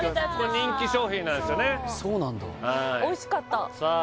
これ人気商品なんですよねそうなんだおいしかったさあ